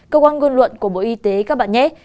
cơ quan ngôn luận của bộ y tế các bạn nhét